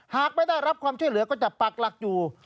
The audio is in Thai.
หากไม่ได้รับความช่วยเหลือก็จะปักหลักอยู่